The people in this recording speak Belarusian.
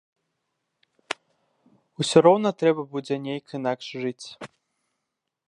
Усё роўна трэба будзе нейк інакш жыць.